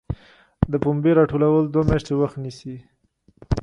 د پنبې راټولول دوه میاشتې وخت نیسي.